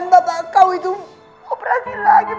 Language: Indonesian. bapak mau operasi lagi ma